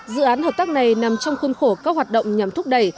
dự án hợp tác này nằm trong khuôn khổ các hoạt động nhằm thúc đẩy